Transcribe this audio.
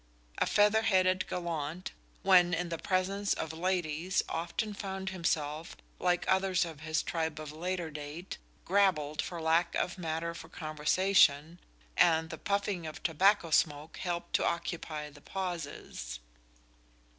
A feather headed gallant, when in the presence of ladies, often found himself, like others of his tribe of later date, gravelled for lack of matter for conversation, and the puffing of tobacco smoke helped to occupy the pauses.